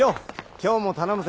今日も頼むぜ。